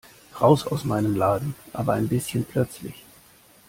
Raus aus meinem Laden, aber ein bisschen plötzlich!